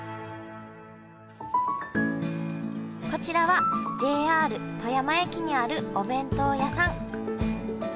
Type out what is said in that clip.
こちらはＪＲ富山駅にあるお弁当屋さん。